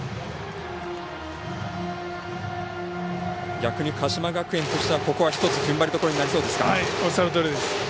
逆に鹿島学園としてはここは１つふんばりどころになりそうですね。